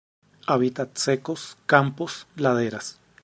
Hábitats secos, campos, laderas.